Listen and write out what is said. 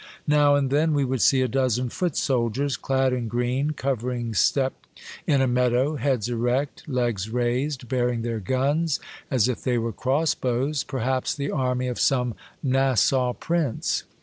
Now and then we would see a dozen foot soldiers, clad in green, covering step in a meadow, heads erect, legs raised, bearing their guns as if they were cross bows, perhaps the army of some Nassau prince.